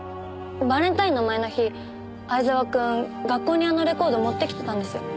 バレンタインの前の日藍沢くん学校にあのレコード持ってきてたんです。